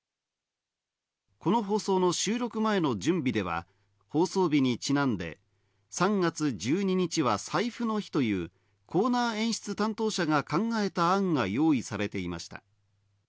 この放送の収録前の準備では、放送日にちなんで３月１２日はサイフの日というコーナー演出担当者が考えた案が用意されていました。